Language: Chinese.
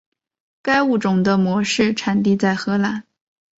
该物种的模式产地在荷兰。